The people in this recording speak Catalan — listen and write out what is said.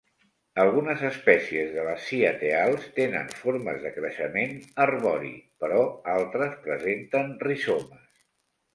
Algunes espècies de les ciateals tenen formes de creixement arbori, però altres presenten rizomes.